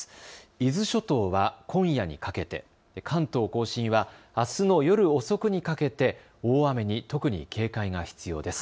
伊豆諸島は今夜にかけて、関東甲信は、あすの夜遅くにかけて大雨に特に警戒が必要です。